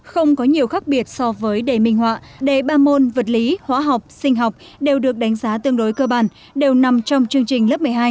không có nhiều khác biệt so với đề minh họa đề ba môn vật lý hóa học sinh học đều được đánh giá tương đối cơ bản đều nằm trong chương trình lớp một mươi hai